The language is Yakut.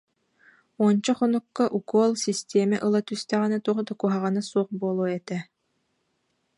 Уонча хонукка укуол, систиэмэ ыла түстэҕинэ туох да куһаҕана суох буолуо этэ